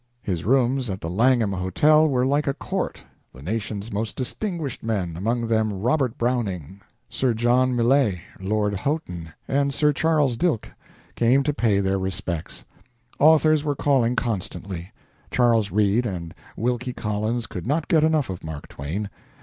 His rooms at the Langham Hotel were like a court. The nation's most distinguished men among them Robert Browning, Sir John Millais, Lord Houghton, and Sir Charles Dilke came to pay their respects. Authors were calling constantly. Charles Reade and Wilkie Collins could not get enough of Mark Twain.